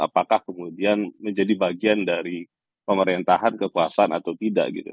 apakah kemudian menjadi bagian dari pemerintahan kekuasaan atau tidak gitu